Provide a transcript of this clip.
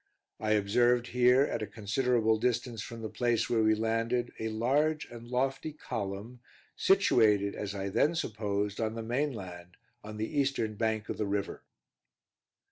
I observed here, at a considerable distance from the place where we landed, a large and lofty column, situated, as I then supposed, on the main land, on the eastern bank of the river.